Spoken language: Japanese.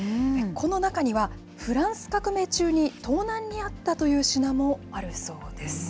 この中には、フランス革命中に盗難に遭ったという品もあるそうです。